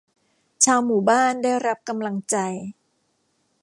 ชาวหมู่บ้านได้รับกำลังใจ